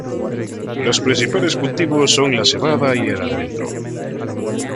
Los principales cultivos son la cebada y el almendro.